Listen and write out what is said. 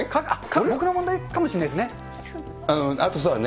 僕の問題かもしれないですね。